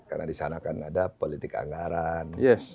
karena di sana kan ada politik anggaran